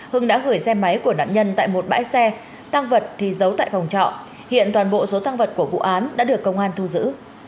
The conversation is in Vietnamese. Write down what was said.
hưng đã gửi xe máy của nạn nhân tại một bãi xe tăng vật thì giấu tại phòng trọ hiện toàn bộ số tăng vật của vụ án đã được công an thu giữ